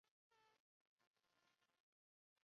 现任中国技术市场协会副会长。